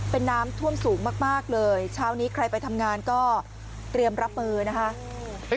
เป็นน้ำท่วมสูงมากเลยเช้านี้ใครไปทำงานก็เตรียมรับมือนะคะ